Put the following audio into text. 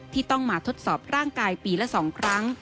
ที่ต้องมาทดสอบร่างกายปีละ๒ครั้ง